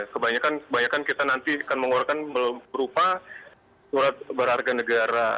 kebanyakan kita nanti akan mengeluarkan berupa surat berharga negara